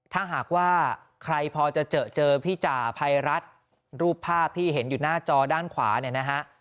ถ้าหากว่าใครพอจะเจอพี่จ่าภัยรัฐรูปภาพที่เห็นอยู่หน้าจอด้านขวาเนี่ยนะฮะ